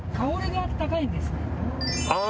ああ。